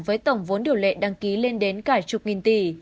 với tổng vốn điều lệ đăng ký lên đến cả chục nghìn tỷ